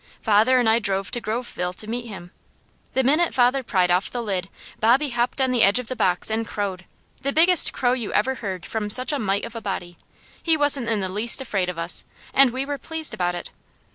Father and I drove to Groveville to meet him. The minute father pried off the lid, Bobby hopped on the edge of the box and crowed the biggest crow you ever heard from such a mite of a body; he wasn't in the least afraid of us and we were pleased about it.